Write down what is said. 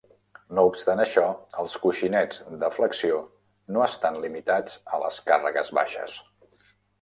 No obstant això, els coixinets de flexió no estan limitats a les càrregues baixes.